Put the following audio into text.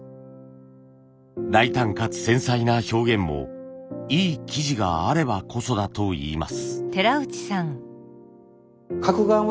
大胆かつ繊細な表現もいい素地があればこそだといいます。